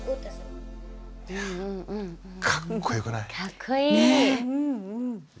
かっこよくない？